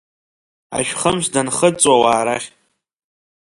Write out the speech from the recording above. Ашәхымс данхыҵуа ауаа рахь.